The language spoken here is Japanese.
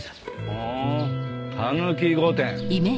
はあ「たぬき御殿」。